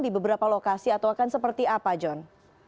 di beberapa lokasi atau akan seperti apa john